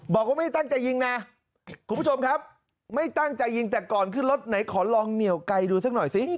บอกว่าไม่ได้ตั้งใจยิงนะคุณผู้ชมครับไม่ตั้งใจยิงแต่ก่อนขึ้นรถไหนขอลองเหนียวไกลดูสักหน่อยสิ